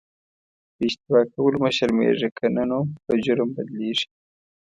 په اشتباه کولو مه شرمېږه که نه نو په جرم بدلیږي.